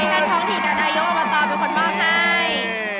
ท่านท้องที่กระดายโยะออปโตรเป็นคนมอบให้